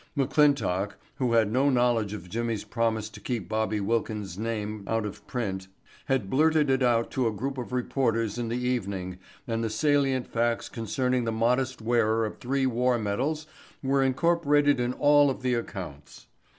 McClintock, who had no knowledge of Jimmy's promise to keep Bobby Wilkins' real name out of print, had blurted it out to a group of reporters in the evening and the salient facts concerning the modest wearer of three war medals were incorporated in all of the accounts.